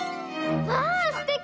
わあすてき！